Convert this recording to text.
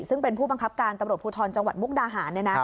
ซึ่งเป็นผู้บังคับการตำรวจภูทรจังหวัดมุกดาหาร